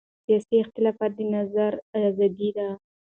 سیاسي اختلاف د نظر ازادي ده